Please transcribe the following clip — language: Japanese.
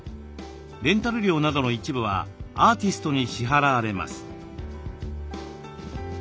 レンタル料などの一部はアーティストに支払われます。